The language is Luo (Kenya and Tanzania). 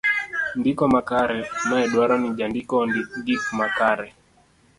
ndiko makare. mae dwaro ni jandiko ondik gik makare